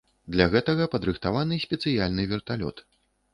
Для гэтага падрыхтаваны спецыяльны верталёт.